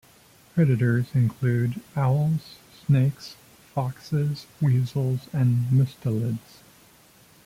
Predators include owls, snakes, foxes, weasels, and mustelids.